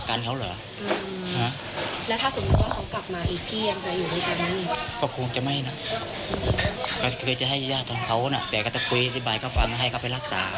ครับใช่แล้วก็ยังมัธิกันเห็นก็เป็นแบบนี้นะ